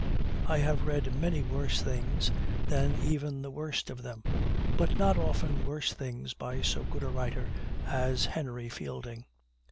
I have read many worse things than even the worst of them, but not often worse things by so good a writer as Henry Fielding.